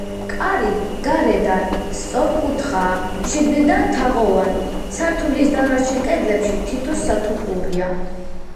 კარი გარედან სწორკუთხაა, შიგნიდან თაღოვანი, სართულის დანარჩენ კედლებში თითო სათოფურია.